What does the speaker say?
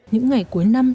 những ngày cuối năm